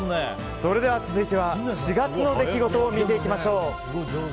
それでは続いて４月の出来事を見ていきましょう。